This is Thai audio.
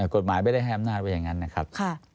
กฎหมายไม่ได้ให้อำนาจไว้อย่างนั้นนะครับ